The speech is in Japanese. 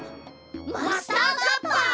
マスターカッパー！？